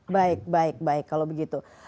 baik baik baik kalau begitu